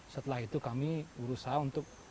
setelah itu kami berusaha untuk